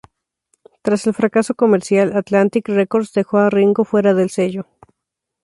Tras el fracaso comercial, Atlantic Records dejó a Ringo fuera del sello.